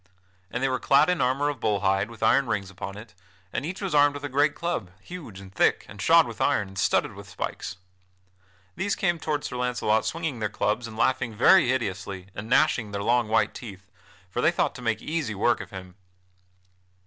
And they were clad in armor of bull hide with iron rings upon it, and each was armed with a great club, huge and thick, and shod with iron, and studded with spikes. These came toward Sir Launcelot swinging their clubs and laughing very hideously and gnashing their long white teeth, for they thought to make easy work of him.